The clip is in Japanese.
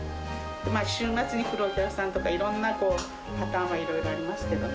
週末に来るお客さんとか、いろんなパターンはいろいろありますけどね。